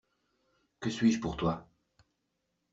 Que suis-je pour toi?